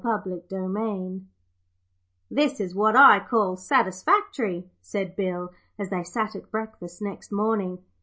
Fourth Slice 'This is what I call satisfactory,' said Bill, as they sat at breakfast next morning.